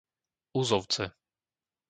Uzovce